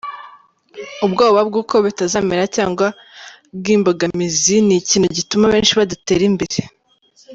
Ubwoba bw’uko bitazemera cyangwa bw’imbogamizi ni ikintu gituma abenshi badatera imbere.